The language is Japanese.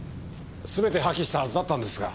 すべて破棄したはずだったんですが。